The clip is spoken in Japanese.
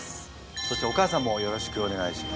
そしてお母さんもよろしくお願いします。